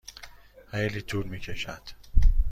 خیلی طول می کشد.